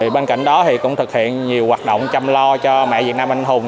bên cạnh đó cũng thực hiện nhiều hoạt động chăm lo cho mẹ việt nam anh hùng